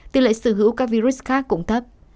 tỷ lệ sử hữu các virus khác cũng thấp